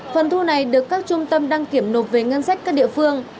phần thu này được các trung tâm đăng kiểm nộp về ngân sách các địa phương